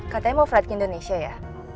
katanya mau flight ke indonesia ya